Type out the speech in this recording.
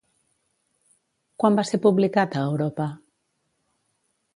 Quan va ser publicat a Europa?